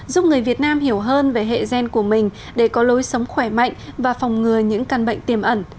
giúp người việt nam hiểu hơn về hệ gen của mình để có lối sống khỏe mạnh và phòng ngừa những căn bệnh tiềm ẩn